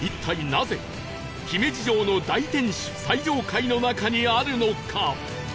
なぜ姫路城の大天守最上階の中にあるのか？